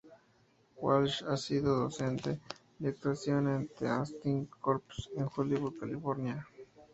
Walsh ha sido docente de actuación en The Acting Corps en Hollywood, California.